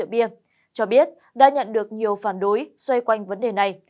trước bối cảnh số kf ghi nhận tại tp hcm cho biết đã nhận được nhiều phản đối xoay quanh vấn đề này